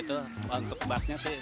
untuk bassnya tidak